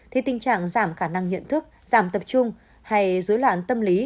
thì tình trạng giảm khả năng nhận thức giảm tập trung hay dối loạn tâm lý